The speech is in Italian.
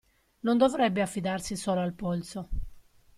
Non dovrebbe affidarsi solo al polso.